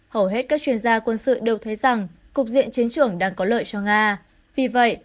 hầu hết các chuyên gia quân sự đều thấy rằng cục diện chiến trường đang có lợi cho nga vì vậy